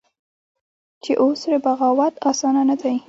چې اوس ترې بغاوت اسانه نه دى.